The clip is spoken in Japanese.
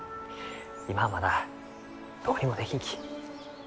今はまだどうにもできんき。